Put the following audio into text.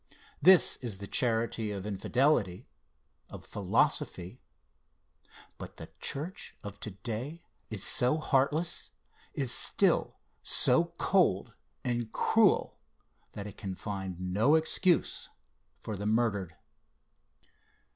This is the charity of Infidelity, of philosophy. But the church of to day is so heartless, is still so cold and cruel, that it can find no excuse for the murdered.